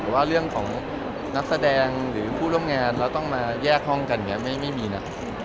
แต่ว่าเรื่องของนักแสดงหรือผู้ร่วมงานแล้วต้องมาแยกห้องกันอย่างนี้ไม่มีนะ